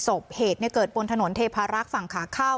ศพเหตุเกิดบนถนนเทพารักษ์ฝั่งขาเข้า